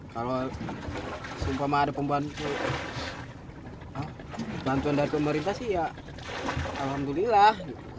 kalau sumpah mah ada bantuan dari pemerintah sih ya alhamdulillah